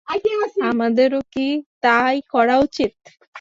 আমাদেরও কী তাই করা উচিত?